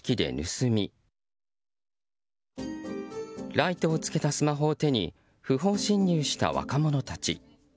ライトをつけたスマホを手に不法侵入した若者たち。